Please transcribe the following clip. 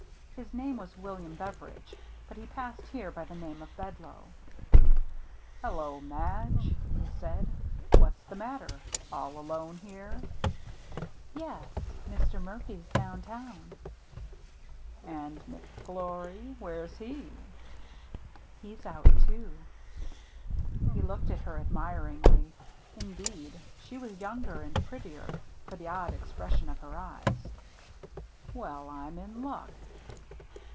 His name was William Beveridge, but he passed here by the name of Bedloe. " Hello, Madge," he said ;" what's the mat ter — all alone here ?'*" Yes ; Mr. Murphy's down town." " And McGlory — where's he ?"" He's out too." He looked at her admiringly. Indeed, she was younger and prettier, for the odd expres sion of her eyes. « Well, I'm in luck."